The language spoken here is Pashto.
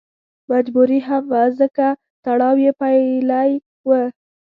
مجبوري هم وه ځکه تړاو یې پېیلی و.